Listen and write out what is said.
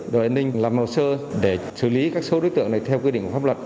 đội an ninh làm hồ sơ để xử lý các số đối tượng này theo quy định của pháp luật